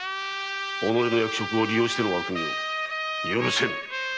己の役職を利用しての悪行許せぬ！